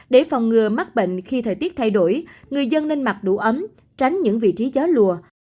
để phòng ngừa mắc bệnh khi thời tiết thay đổi người dân nên mặc đủ ấm tránh những vị trí gió lùa